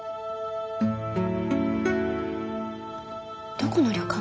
どこの旅館？